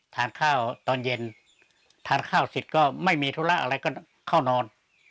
ทานข้าวตอนเย็นทานข้าวเสร็จก็ไม่มีธุระอะไรก็เข้านอน